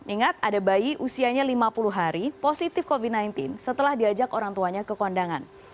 ingat ada bayi usianya lima puluh hari positif covid sembilan belas setelah diajak orang tuanya ke kondangan